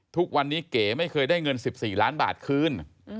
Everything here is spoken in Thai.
ทุกวันนี้เก๋ไม่เคยได้เงิน๑๔ล้านบาทคืน